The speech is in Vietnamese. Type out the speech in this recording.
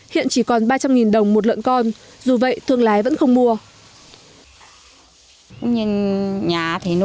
hiện chỉ còn ba trăm linh đồng một lợn con dù vậy thương lái vẫn không mua